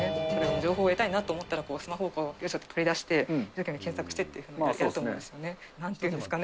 情報を得たいなと思ったらスマホをよいしょって取り出して、検索してっていうことをすると思うんですよね。